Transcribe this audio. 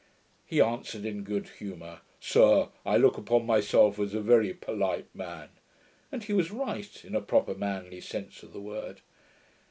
He answered, in good humour, 'Sir, I look upon myself as a very polite man': and he was right, in a proper manly sense of the word.